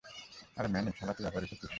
আরে ম্যানি, শালা তুই আবার এসেছিস?